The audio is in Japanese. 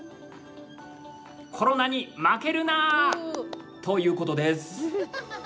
「コロナに負けるな！」ということです。